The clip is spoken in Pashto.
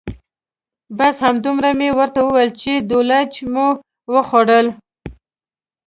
بس همدومره مې ورته وویل چې دولچ مو وخوړل.